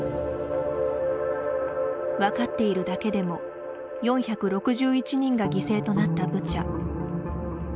分かっているだけでも４６１人が犠牲となったブチャ。